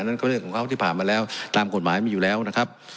นั่นก็เรื่องของเขาที่ผ่านมาแล้วตามกฎหมายมีอยู่แล้วนะครับ